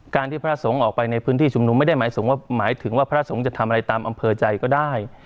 ที่พระสงฆ์ออกไปในพื้นที่ชุมนุมไม่ได้หมายถึงว่าพระสงฆ์จะทำอะไรตามอำเภอใจก็ได้